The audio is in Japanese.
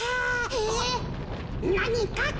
えっなにか！？